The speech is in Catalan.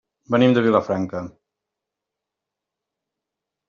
Venim de Vilafranca.